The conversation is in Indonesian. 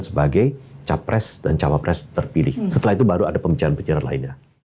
sebagai capres dan cawapres terpilih setelah itu baru ada pembicaraan pembicaraan lainnya